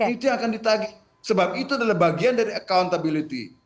itu yang akan ditagi sebab itu adalah bagian dari accountability